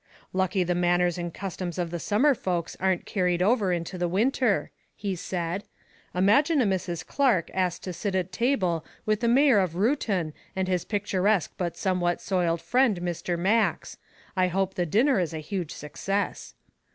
"Lucky the manners and customs of the summer folks aren't carried over into the winter," he said. "Imagine a Mrs. Clark asked to sit at table with the mayor of Reuton and his picturesque but somewhat soiled friend, Mr. Max. I hope the dinner is a huge success."